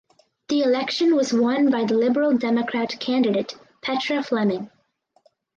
The election was won by the Liberal Democrat candidate Petra Fleming.